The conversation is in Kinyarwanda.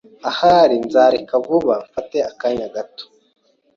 Ahari nzareka vuba mfata akanya gato.